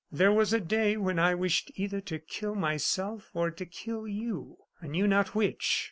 There was a day when I wished either to kill myself or to kill you, I knew not which.